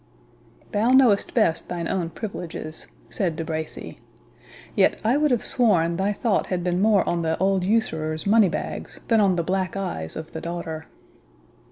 "Thou knowest best thine own privileges," said De Bracy. "Yet, I would have sworn thy thought had been more on the old usurer's money bags, than on the black eyes of the daughter."